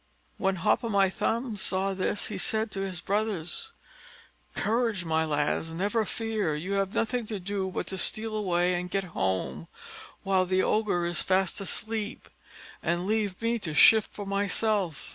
When Hop o' my thumb saw this he said to his brothers, "Courage, my lads! never fear! you have nothing to do but to steal away and get home while the Ogre is fast asleep, and leave me to shift for myself."